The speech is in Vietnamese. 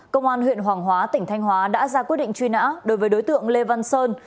công an huyện hoàng hóa tỉnh thanh hóa đã ra quyết định truy nã đối với đối tượng lê văn sơn